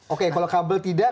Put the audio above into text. oke kalau kabel tidak